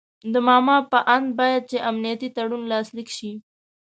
د ماما په آند باید چې امنیتي تړون لاسلیک شي.